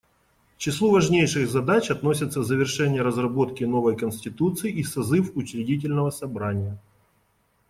К числу важнейших задач относятся завершение разработки новой конституции и созыв учредительного собрания.